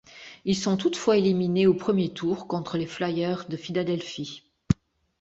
Ils se font toutefois éliminés au premier tour contre les Flyers de Philadelphie.